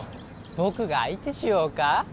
僕が相手しようか？